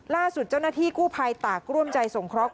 ล่าสุดเจ้าหน้าที่กู้ภัยตากร่วมใจสงเคราะห